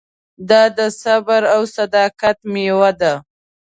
دا د صبر او صداقت مېوه ده.